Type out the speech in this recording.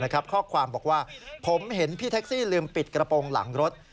ข้อความบอกว่าผมเห็นพี่แท็กซี่ลืมปิดกระโปรงหลังรถ